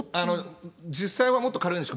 実際はもっと軽いんです。